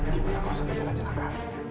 gimana kau sampai bella celaka